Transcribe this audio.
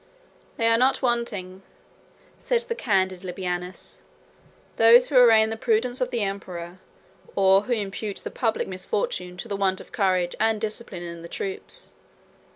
"There are not wanting," says the candid Libanius, "those who arraign the prudence of the emperor, or who impute the public misfortune to the want of courage and discipline in the troops.